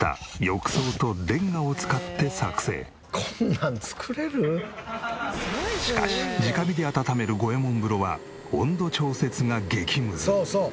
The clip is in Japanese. こんなん作れる？しかし直火で温める五右衛門風呂はそうそう。